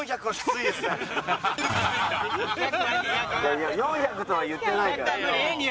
いやいや４００とは言ってないからね。